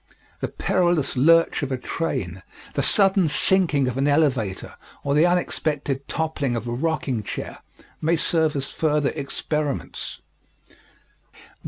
The perilous lurch of a train, the sudden sinking of an elevator, or the unexpected toppling of a rocking chair may serve as further experiments.